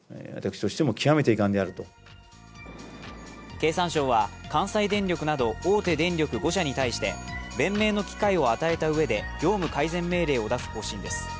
経産省は関西電力など大手電力５社に対して、弁明の機会を与えたうえで、業務改善命令を出す考えです。